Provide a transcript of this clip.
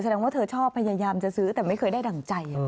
ว่าเธอชอบพยายามจะซื้อแต่ไม่เคยได้ดั่งใจ